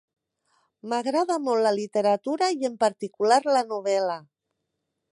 M'agrada molt la literatura i en particular la novel·la.